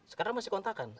sekarang masih kontakan